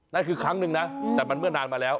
นั่นคือครั้งหนึ่งนะแต่มันเมื่อนานมาแล้ว